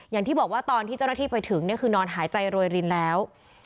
อย่างที่บอกว่าตอนที่เจ้าหน้าที่ไปถึงคือนอนหายใจโรยรินแล้ว